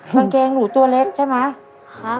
กางเกงหนูตัวเล็กใช่ไหม